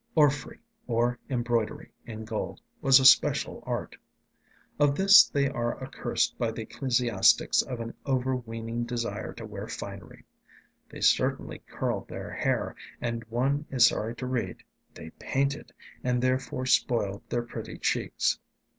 "Orfrey," or embroidery in gold, was a special art. Of course they are accused by the ecclesiastics of an overweening desire to wear finery; they certainly curled their hair, and, one is sorry to read, they painted, and thereby spoiled their pretty cheeks.